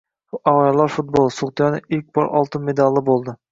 Ayollar futboli. «So‘g‘diyona» ilk bor oltin medalli bo‘lding